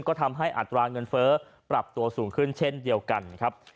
ก็ทำให้อัตราเงินเฟ้อปรับตัวสูงขึ้นเช่นเดียวกันครับ